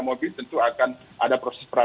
mobil tentu akan ada proses